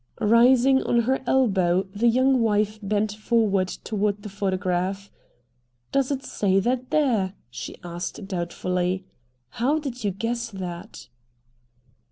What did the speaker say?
Rising on her elbow the young wife bent forward toward the photograph. "Does it say that there," she asked doubtfully. "How did you guess that?"